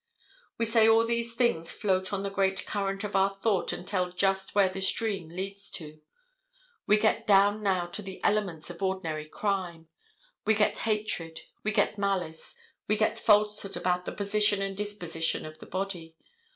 We say these things float on the great current of our thought and tell just where the stream leads to. We get down now to the elements of ordinary crime. We get hatred, we get malice, we get falsehood about the position and disposition of the body.